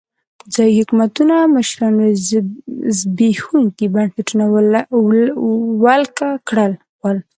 ځايي حکومتونو مشرانو زبېښونکي بنسټونه ولکه کړل.